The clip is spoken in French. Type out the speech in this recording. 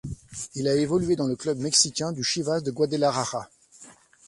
Il a évolué dans le club mexicain du Chivas de Guadalajara.